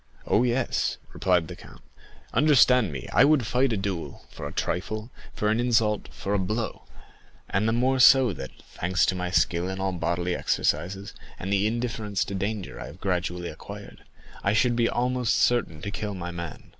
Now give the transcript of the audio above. "Oh, yes," replied the count; "understand me, I would fight a duel for a trifle, for an insult, for a blow; and the more so that, thanks to my skill in all bodily exercises, and the indifference to danger I have gradually acquired, I should be almost certain to kill my man.